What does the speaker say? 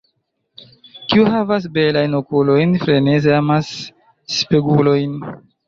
Kiu havas belajn okulojn, freneze amas spegulojn.